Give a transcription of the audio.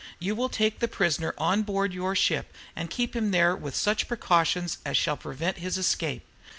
"You will take the prisoner on board your ship, and keep him there with such precautions as shall prevent his escape.